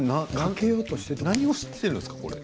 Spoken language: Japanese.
何をしているんですかこれ。